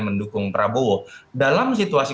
mendukung prabowo dalam situasi